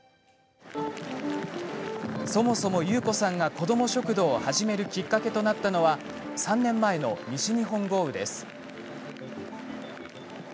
そもそも優子さんが子ども食堂を始めるきっかけとなったのは３年前の西日本豪雨です。